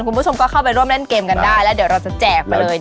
คุณผู้ชมก็เข้าไปร่วมเล่นเกมกันได้แล้วเดี๋ยวเราจะแจกไปเลย